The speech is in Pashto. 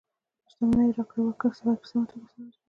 د شتمنیو راکړې ورکړې باید په سمه توګه وڅارل شي.